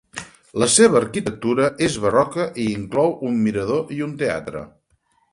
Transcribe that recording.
La seva arquitectura és barroca i inclou un mirador i un teatre.